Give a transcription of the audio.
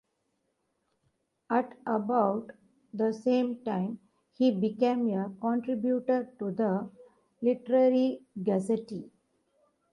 At about the same time he became a contributor to the "Literary Gazette".